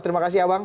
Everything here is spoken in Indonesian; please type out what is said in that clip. terima kasih abang